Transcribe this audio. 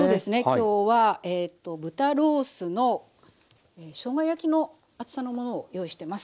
今日はえっと豚ロースのしょうが焼きの厚さのものを用意してます。